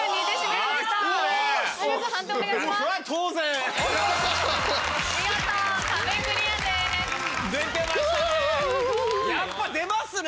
すごい。やっぱ出ますね。